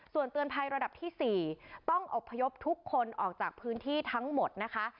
ส่วนเตือนภัยระดับที่๔ต้องอบพยพทุกคนออกจากพื้นที่ทั้งหมดนะคะ